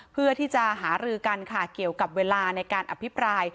เพื่อที่จะหารือกันค่ะเกี่ยวกับเวลาในการอภิปราย